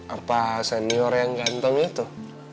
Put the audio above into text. apa senior yang gantengnya tuh